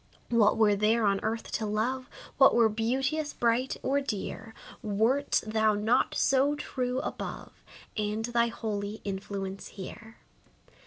What were there on earth to love What were beauteous, bright, or dear, Wert thou not so true above, And thy holy influence here?